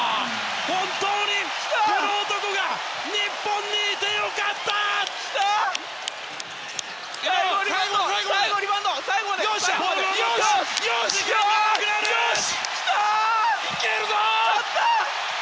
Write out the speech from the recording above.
本当にこの男が日本にいて良かったーｂｋ勝った！